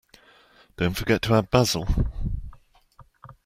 Don't forget to add Basil.